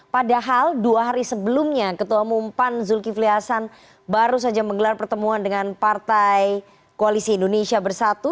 padahal dua hari sebelumnya ketua umum pan zulkifli hasan baru saja menggelar pertemuan dengan partai koalisi indonesia bersatu